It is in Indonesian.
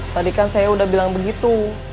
tadi kan saya udah bilang begitu